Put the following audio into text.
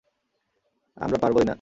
আমরা পারবই না।